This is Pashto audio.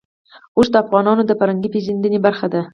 اوښ د افغانانو د فرهنګي پیژندنې برخه ده.